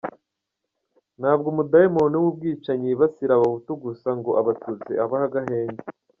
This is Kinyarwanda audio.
Ntabwo umudayimoni w’ubwicanyi yibasira abahutu gusa ngo abatutsi abahe agahenge.